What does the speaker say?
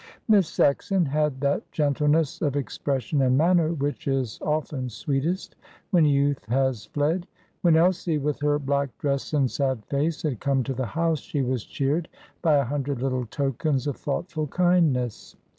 Miss Saxon had that gentleness of expression and manner which is often sweetest when youth has fled. When Elsie, with her black dress and sad face, had come to the house, she was cheered by a hundred little tokens of thoughtful kindness.